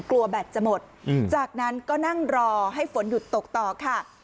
แบตจะหมดจากนั้นก็นั่งรอให้ฝนหยุดตกต่อค่ะ